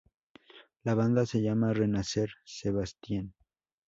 La banda se llama renacer Sebastien.